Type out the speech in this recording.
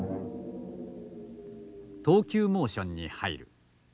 投球モーションに入る。